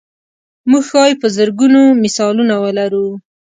موږ ښایي په زرګونو مثالونه ولرو.